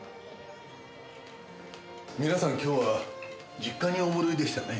皆さん今日は実家にお戻りでしたね。